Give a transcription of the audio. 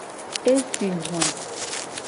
E si hoe.